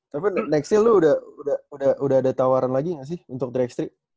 tapi nextel lu udah ada tawaran lagi nggak sih untuk tiga x tiga